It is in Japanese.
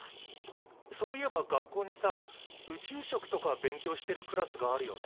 そういえば学校にさ宇宙食とか勉強してるクラスがあるよね？